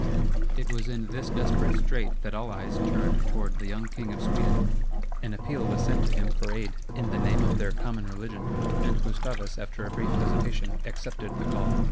It was in this desperate strait that all eyes turned toward the young King of Sweden. An appeal was sent to him for aid, in the name of their common religion; and Gustavus, after a brief hesitation, accepted the call.